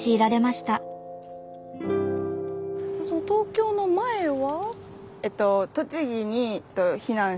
東京の前は？